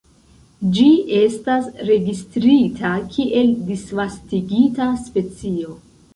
Ĝi estas registrita kiel disvastigita specio.